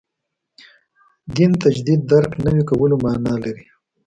دین تجدید درک نوي کولو معنا لري.